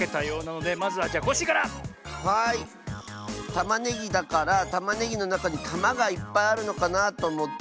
たまねぎだからたまねぎのなかにたまがいっぱいあるのかなとおもって。